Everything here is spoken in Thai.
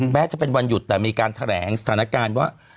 แม้จะเป็นวันหยุดแต่มีการแถลงสถานการณ์ว่า